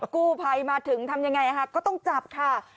กู้ภัยมาถึงทำยังไงก็ต้องจับค่ะ